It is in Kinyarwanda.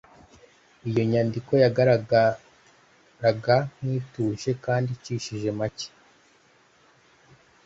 Iyo nyandiko yagaragaraga nk ituje kandi icishije make